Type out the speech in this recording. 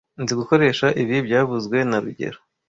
Nzi gukoresha ibi byavuzwe na rugero